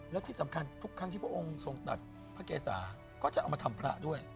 และที่สำคัญทุกครั้งที่พระองค์ทรงตัดพระเกษาก็จะเอามาทำพระด้วย